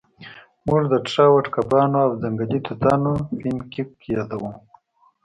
موږ د ټراوټ کبانو او ځنګلي توتانو پینکیک یادوو